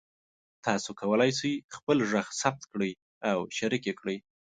تاسو کولی شئ خپل غږ ثبت کړئ او شریک کړئ.